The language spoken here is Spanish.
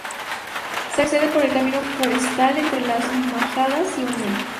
Se accede por el camino forestal entre Las Majadas y Uña.